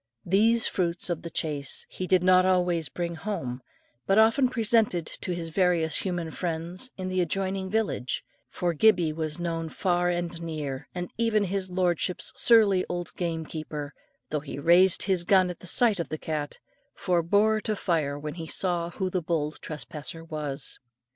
These fruits of the chase he did not always bring home, but often presented to his various human friends in the adjoining village; for Gibbie was known far and near, and even his lordship's surly old gamekeeper, though he raised his gun at the sight of the cat, forbore to fire when he saw who the bold trespasser was.